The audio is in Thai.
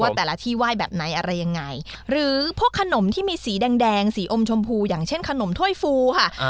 แต่ละที่ไหว้แบบไหนอะไรยังไงหรือพวกขนมที่มีสีแดงแดงสีอมชมพูอย่างเช่นขนมถ้วยฟูค่ะ